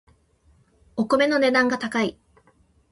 お米の値段が高い